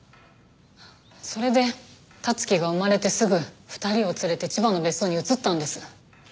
それで樹が生まれてすぐ２人を連れて千葉の別荘に移ったんです。